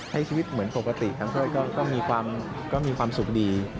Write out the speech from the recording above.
ให้ชีวิตเหมือนปกติครับถ้วยก็มีความสุขดี